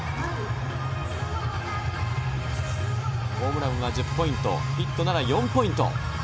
ホームランは１０ポイント、ヒットなら４ポイント。